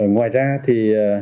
ngoài ra thì